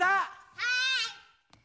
はい！